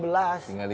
tinggal satu lagi